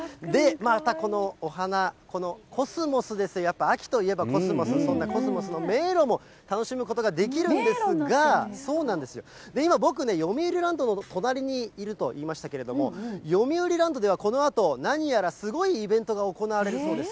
またこのお花、このコスモスですよ、やっぱり秋といえばコスモス、そんなコスモスの迷路も楽しむことができるんですが、今、僕、よみうりランドの隣にいると言いましたけれども、よみうりランドではこのあと、何やらすごいイベントが行われるそうです。